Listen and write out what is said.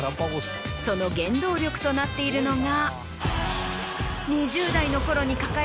その原動力となっているのが。